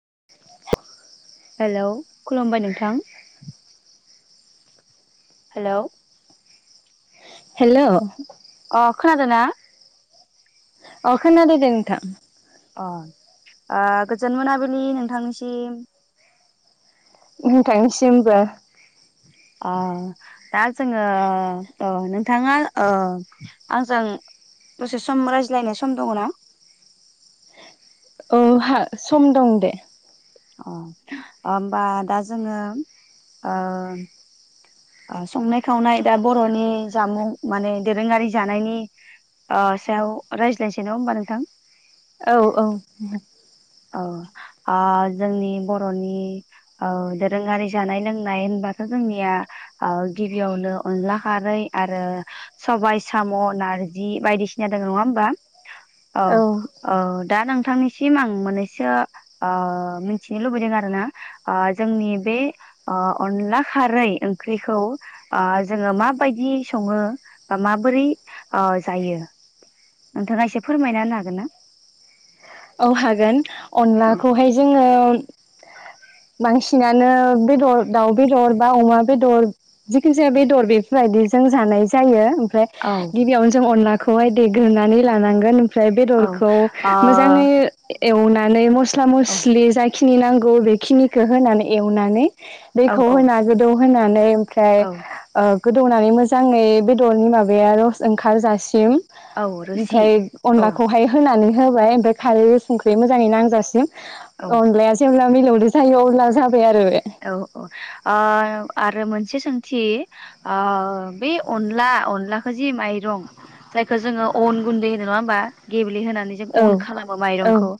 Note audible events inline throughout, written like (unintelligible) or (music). (inaudible) Hello खुलुमबाय नोंथां। हेल अ खोनादों ना? अ खोनादों दे नोंथां। अ ओ गोजोन मोनाबिलि नोंथांनिसिम। नोंथांनिसिमबो। अ दा जोङो अ नों थाङा ओ आंजों दसे सम रायज्लायनाय सम दङ ना? औ हा सम दं दे। अ होमबा दा जोङो ओ संनाय खावनाय दा बरनि जामुं माने दोरोङारि जानायनि ओ सायाव रायज्लायनोसै नङा होमबा नोंथां? औ औ औ आ जोंनि बरनि ओ दोरोङारि जानाय लोंनाय होनबाथ जोंनिया ओ गिबियावनो अनला खारै आरो सबायाइ साम नारजि बायदिसिना दं नङा होमबा। औ अ दा नोंथांनिसिम आं मोननैसो ओ मिथिनो लुबैदों आरो ना ओ जोंनि बे ओ अनला खारै ओं ओंख्रिखौ आ जोङो माबायदि सङो बा माबोरै आ जायो। नोंथाङा एसे फोरमायना होनो हागोन ना? औ हागोन औ अनलाखौहाय जोङो बांसिनानो बेदर दाउ बेदर बा अमा बेदर जिखिजाया बेदर बेफोरबायदिजों जानाय जायो ओमफ्राय औ गिबियावनो जों अनला खौहाय देग्रोनानै लानांगोन ओमफ्राय बेदरखौ मो अ एवनानै मस थ्ला मस्लि जायखि खिनि नांगौ बेखिनिखो होनानै एवनानै औ दैखौ औ होना गोदौ होनानै फ्राय औ ओ गोदौनानै मोजाङै बेदरनि माबाया रस ओंखारजासिम औ रोसि ओमफ्राय औ अनलाखौहाय होनानै होबाय ओमफाय खारै संख्रि मोजाङै नांजासिम औ अनलाया जेब्ला मिलावदो जायो अब्ला जा औ औ ओ आरो मोनस से सोंथि ओ बे अनला अनलाखौ जि माइरं जायखौ जोङो अन गुन्दै होनो नङा होमबा। गेब्ले होना जों औ अन खालामो जों औ माइरंखौ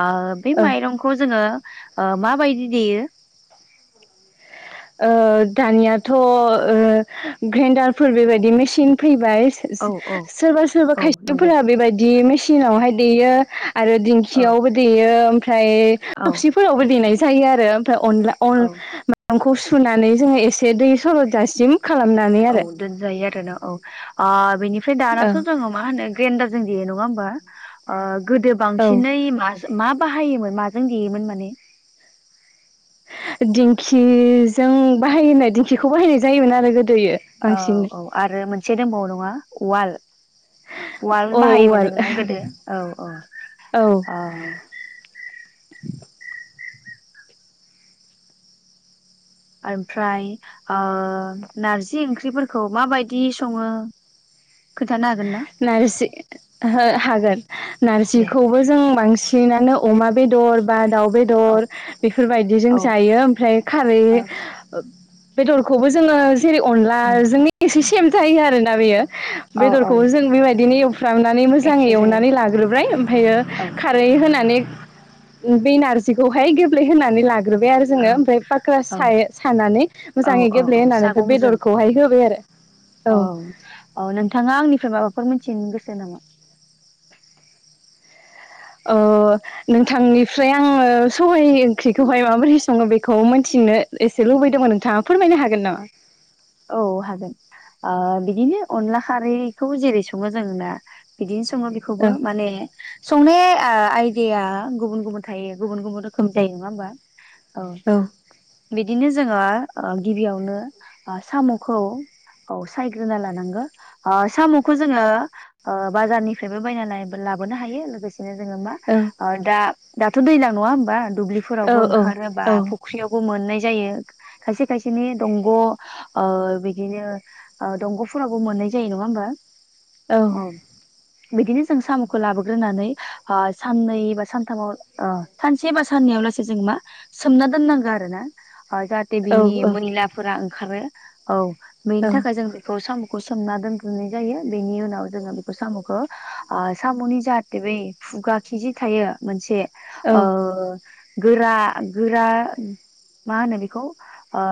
ओ बे औ माइरंखौ जोङो ओ माबायदि देयो? ओ दानियाथ' ओ ग्रेन्डारफोर बेबायदि मेसिन फै (unintelligible) औ औ सोरबा सोरबा औ नंगौ खायसेफोरा बेबायदि मेस सिनावहाय देयो। आरो औ दिंखियावबो देयो। ओमफाय औ थबसिफोरावबो देनाय थायो आरो फाय अनला‌ अन औ नामखौ सुनानै जोङो एसे दै सरद जासिम औ दोनजायो आरो ना औ आ बिनि ओमफ्राय औ दानाथ' जोङो मा होनो ग्रेन्दार जों देयो नङा होमबा ओ गोदो औ बांसिनै म-मा? बाहायोमोन माजों देयोमोन माने? दिंखिजों बाहायनाय दिंखिखौ बाहायनाय जायोमोन आरो गोद औ औ आरो मोनसे दंबावो नङा उवाल उवाल औ बाहायोमोन औवाल जोंना गोदो औ अ ओमफ्राय ओ नारजि ओंख्रिफोरखौ माबायदि सङो? खोन्थानो हागोन ना नारजि हो हागोन दे नारजिखौबो जों बांसिन सिनानो अमा बेदर बा दाउ औ बेदर बेफोरबायदि जों औ जायो ओमफ्राय खारै औ ओ बेदरखौबो जोङो जेरै अनला उम जोंनि एसे सेम जायो आरोना बेयो औ औ बेदरखौबो जों बेबायदिनो एवफ्रामनानै मोजाङै एखे जायो एवनानै लाग्रोब्राय ओमफ्रायो औ खारै होनानै बे नारजिखौहाय गेब्लेहोनानै लाग ग्रोबाय आरो औ जोङो ओमफ्राय फाख्रा औ साय-सानानै औ मोजाङै औ गेब्ले औ होनानै ओमफ्राय सागंजों बेदरखौहाय होबाय आरो औ। औ नोंथाङा आंनिफ्राय माबाफोर मिथिनो गोसो नामा? अ नोंथांनिफ्राय आङो सबाइ ओंख्रिखौहाय माबोरै सङो बेखौ मिथिनो एसे लुबैदोंमोन नोंथाङा फोरमायनो हागोन नामा? औ हागोन बिदिनो अनला खारैखौ जेरै सङो जों ना बिदिनो स सङो बेखौबो औ माने संनाय ओ‌ आइ दिया गुबुन गुबुन थायो गुबुन गुबुन रोखोम जायो नङा होमबा? औ बिदिनो जोङो ओ गिबियावनो साम'खौ औ सायग्रोना लानांगो साम'खो जोङो बाजारनिफ्रायबो बायनानै लाबोनो हायो लोगोसे से जोङो मा औ ओ दा दाथ' दैलां नङा होनबा? औ दुब्लिफोरावबो ओंखारो बा फख्रियावबो मोननाय जायो खायसे खायसेनि दंग ओ बिदिनो ओ दंग'फोरावबो मोननाय जायो नङा होमबा? औ बिदिनो जों साम'खो लाबोग्रोनानै ओ साननै बा सानथामाव ओ सानसे बा साननैयाव लासै जों मा सोमना दोननांगौ आरो ना। ओ जाहाथे औ बिनि मैलाफोरा खारो औ बेनि औ थाखाय जों बेखौ साम' खौ सोमना दोनग्रोनाय जायो बेनि उनाव जोङो बेखौ साम'खौ साम'नि जाहाथे बै खुगा खिजे थायो मोनसे ओ गोरा गोरा मा होनो बेखौ ओ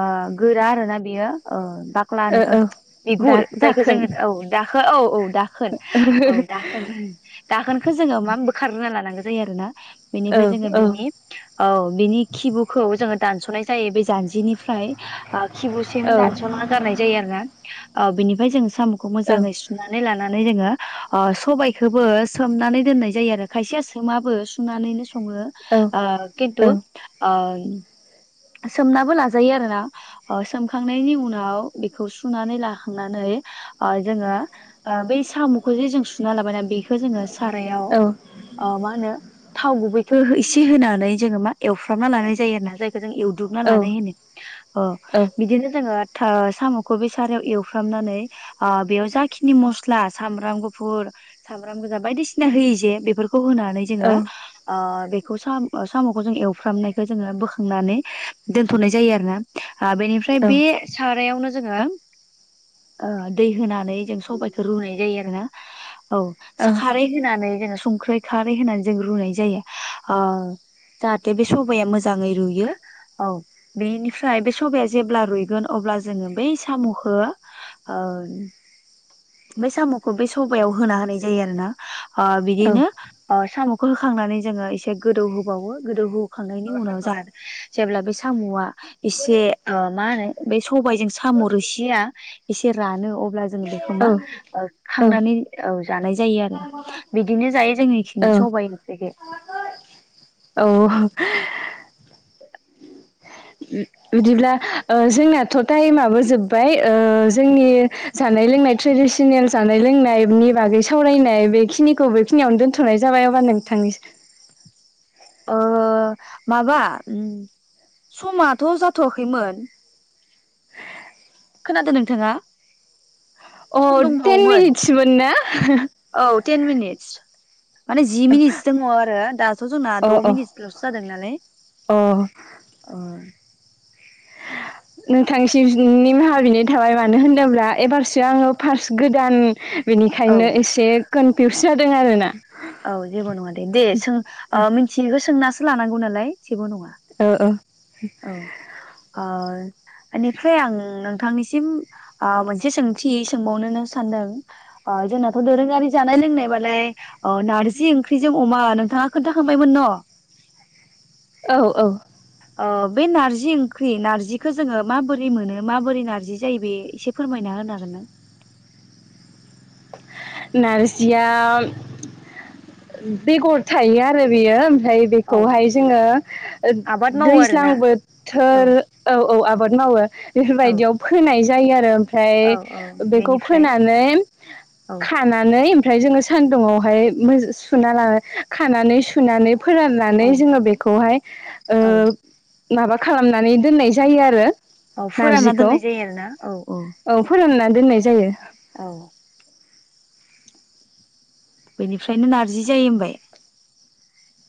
गोरा आरोना। बियो ओ बाख्ला होनो ओ औ दा बिगुर जायखौ दाखोन जोङो औ दाखो औ औ दाखोन औ दाखोन दाखोनखो जोङो मा बोखारना लानांगो जायो आरो ना औ बेनिफाय जोङो औ बिनि औ बिनि खिबुखौ जोङो दानस'नाय जायो बे जान्जिनिफ्राय ओ खिबुसिम औ दानस'ना गारनाय जायो आरो ना औ बेनिफाय जों साम'खो औ औ मोजाङै सुनानै लाना नानै नोङो अ सबायखोबो सोमनानै दोननाय जायो आरो खायसे सोमाबो सुनानैनो सङो ओ खिन्थु ओ सोमनाबो लाजायो आरोना सोमखांनायनि उनाव बेखौ सुनानै लाखांनानै ओ जोङो ओ बै साम'खौ जे जों सुना लाबायना बेखौ जोङो सारायाव औ ओ मा होनो थाव गुबैखौ एसे होनानै जोङो मा एवफ्रामना लानाय जायो आरो ना जाय खो जों एवदुबना लानाय होनो बिदिनो जोङो साम'खो बै सारायाव एवफ्रामनानै ओ बेयाव जाखिनि मस्ला सामब्राम गुफुर सामब्राम गोजा बायदिसिना होयो जे बेफोरखौ होनानै जोङो ओ बेखौ साम-साम'खो जों एवफ्रामनायखो जोङो बोखा नानै दोनथ'नाय जायो आरो ना। ओ बेनिफ्राय बे सारायावनो जोङो ओ दै होनानै जों सबाइखौ रुनाय जायो आरो ना औ खारै होनानै जोङो संख्रै खारै होनानै जों रुनाय जायो ओ जाहाथे बे सबाया मोजाङै रुइयो औ बेनिफ्राय बे सबाया जेब्ला रुइगोन अब्ला जोङो बै साम'खो बै साम'खो बे सबायाव होना होनाय जायो आरो ना। अ बिदिनो ओ साम'खो होखांनानै जोङो एसे गोदौ होबावो गोदौ होखांनायनि उनाव जाहाथे जेब्ला बे सामआ एसे ओ मा होनो बेै सबायजों साम रोसिया एसे रानो अब्ला जों बेखौ मा ओ खांनानै औ जानाय जायो आरो बिदिनो जायो। जोंनिखिनि सबाय ओंख्रिखो। औ औ बिदिब्ला ओ जोंनाथ टाइमाबो जोब्बाय ओ जोंनि जानाय लोंनाय ट्रेडिसनेल जानाय लोंनायनि बागै सावरायनाय बेखिनिखौ बेखिनियावनो दोनथनाय जाबाय अबब्ला नोंथांनिसि ओ माबा उम समाथ जाथवाखैमोन। खोनादो नोंथाङा? सम अ टेन दंबावोमोन मिनित्समोन ना? औ टेन मिनित्स माने जि मिनिटसो दङ आरो दाथ' जोंना अ द' अ मिनिटसल'सो जादों नालाय अ नोंथांसि निमाहा बिनाय थाबाय मानो होनोब्ला एबारसो आङो फार्स्ट गोदान औ बेनिखायनो एसे कनफिउस जादों आरो ना। औ जेबो नङा दे। दे सों ओ मिथियैखौ सोंनासो लानांगौ नालाय जेबो नङा। ओ ओ औ आर आनिफ्राय आं नोंथांनिसिम आ मोनसे सोंथि सोंबावनोनो सानदों अ जोंनाथ दोरोङारि जानाय लोंनायबालाय अ नारजि ओंख्रिजों अमा नोंथाङा खोन्थाखांबायमोन न? औ औ अ बे नार्जि ओंख्रि नार्जिखौ जोङो माबोरै मोनो माबोरै नार्जि जायो बे एसे फोरमायना होनो हागोन ना? नारजिया बेगर थायो आरो बेयो ओमफ्राय औ बेखौहाय जोङो ओ आबाद मावो दैज्लां आरोना औ बोथोर औ औ आबाद मावो औ बेफोरबायदियाव फोनाय जायो आरो ओम आमफ्राय औ औ बेखौ बेनिफ्राय फोनानै औ खानानै फ्राय ओमफ्राय जोङो सान्दुङावहाय मो सुनाला खानानै सुनानै औ फोराननानै जोङो बेखौहाय ओ औ माबा खालामनानै दोननाय जायो आरो औ फोरानना नारजिखौ दोननाय जायो आरोना औ औ। दोननाय जायो औ बेनिफ्रायनो नारजि जायो होनबाय।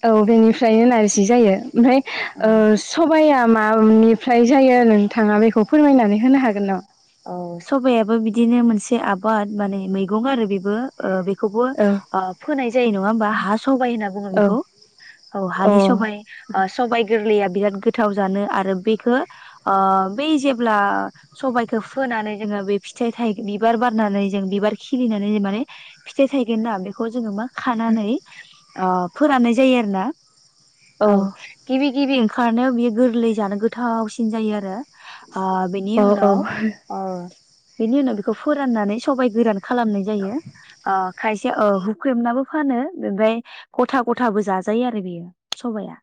औ बेनिफ्रायनो नारजि जायो। ओमफ्राय ओ सबाया मा-मानिफ्राय जायो नोंथाङा बेखौ फोरमायनानै होनो हागोन नामा औ सबायाबो बिदिनो मोनसे आबाद माने मैगं आरो बेबो ओ बे बेखौबो औ अ फोनाय जायो नङा होमबा हा सबाय होनना बुङो औ अ बेखौ औ हानि सबाय सबाय गोरलैया बिराद गोथाव जानो आरो बेखौ अ बै जेब्ला सबाय बेखौ फोनानै जोङो बे फिथाय थायनानै बिबार बारनानै जों बिबार खिलिनानै माने फिथाइ थायगोन ना बेखौ जोङो मा खानानै अ फोराननाय जायो आरो ना? औ गिबि गिबि ओंखारनायाव बियो गोरलै जानो गोथावसिन जायो आरो। आ बेनि उनाव ओ (unintelligible) बेनि उनाव बेखौ फोराननानै सबाय गोरान खालामनाय जायो अ खायसेया ओ हुख्रेबनाबो फानो ओमफ्राय गथा गथाबो जाजायो आरो बेयो सबाया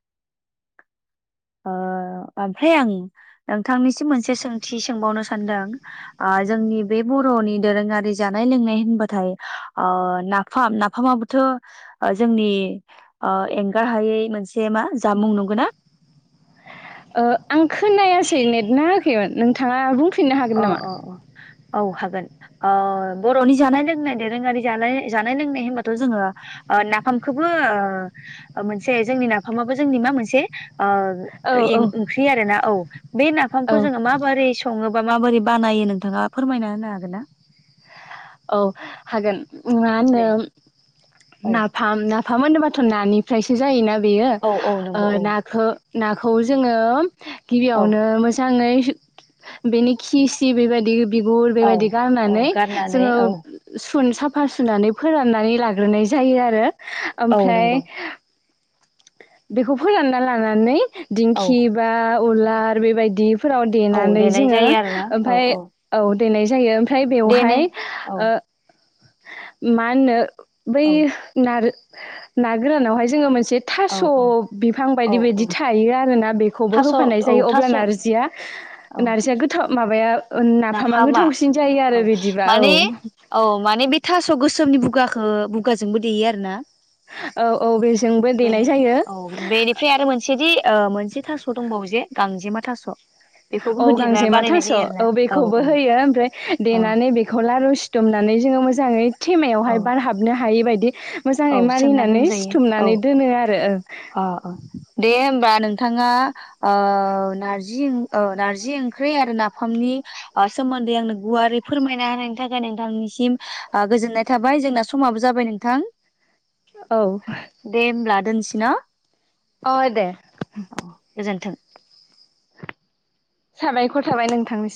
ओ ओमफ्राय आं नोंथांनिसिम मोनसे सोंथि सोंबावनो सान्दों ओ जोंनि बे बर'नि दोरोङारि जानाय लोंनाय होनबाथाय ओ नाफाम नाफामाबोथ' जोंनि एंगार हायै मोनसे मा जामुं नंगौना? ओ आं खोनायासै नेट नाङाखैमोन नोंथाङा बुंफिन बुंफिननो अ हागोन नामा? औ हागोन ओ बर'नि जानाय लोंनाय दोरोङारि जानाय जानाय लोंनाय होनबाथ' जोङो नाफामखौबो मोनसे जोंनि नाफामाबो जोंनि मा मोनसे ओ औ औ ओंख्रि आरोना औ बे नाफामखौ औ जोङो माबोरै सङो? माबोरै बानायो नोंथाङा फोरमायना होनो हागोनना? औ हागोन। मा होनो दे औ नाफाम नाफाम होनोब्लाबाथ' नानिफ्रायसो जायोना बेयो औ औ ओ नंगौ औ नाखो नाखौ जोङो औ गिबियावनो मोजाङै बेनि खि सि बेबायदि बिगुर औ बेबायदि औ गारनानै (unintelligible) गारनानै जोङो औ सुन-साफा सुनानै फोराननानै लाग्रोनाय जायो आरो। औ ओमफ्राय नंगौ बेखौ फोरानना लानानै औ दिंखि बा उलार बेबायदि फोराव औ देनानै देनाय जोङो जायो आरोना औ ओमफ्राय औ देनाय जायो ओम ओमफ्राय देने बेवहाय औ (unintelligible) ओ माहोनो बैह नार (unintelligible) ना गोरानावहाय जोङो मोनसे औ थास बिफां औ बायदि बायदि औ थायो आरोना बेखौबो थास' होफानाय औ जायो अब्ला थास' नारजिया औ नारजिया गोथाव माबाया नाफामा गोथावसिन जायो आरो बिदिबा माने औ औ माने बे थास गोसोमनि बु बुगाखौ बुगाजोंबो देयो आरो ना। औ औ बेजोंबो (unintelligible) देनाय बेनि जायो बेनिफ्राय आरो मोनसेदि मोनसे ओ थास दंबावो जे गांजेमा थास' बेखौबो औ होदेरना गांजेमा बानायनाय थास जायो आरो ना औ बे खौबो औ होयो ओमफ्राय औ देनानै बेखौ लारु सिथुमनानै जोङो (unintelligible) मोजाङै औ थेमायावहाय बार हाबनो हायि बायदि औ मोजाङै सोमना मारिनानै दोनजायो औ सिथुमनानै दोनो आरो ओ अ अ दे होमबा नोंथाङा ओ नारजि ओ नारजि ओंख्रि आरो नाफामनि ओ सोमोन्दै आंनो गुवारै फोरमायना होनायनि थाखाय नोंथांनिसिम ओ गोजोननाय थाबाय जोंना समाबो जाबाय नोंथां। औ (unintelligible) दोनसि ना। अ दे। (inaudible) गोजोन्थों साबायखर थाबाय नोंथांनिसि